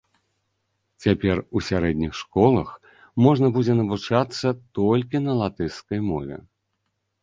Цяпер у сярэдніх школах можна будзе навучацца толькі на латышскай мове.